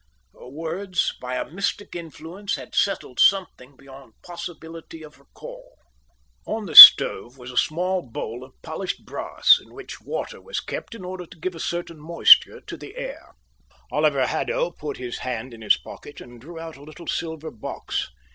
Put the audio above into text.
Her words by a mystic influence had settled something beyond possibility of recall. On the stove was a small bowl of polished brass in which water was kept in order to give a certain moisture to the air. Oliver Haddo put his hand in his pocket and drew out a little silver box.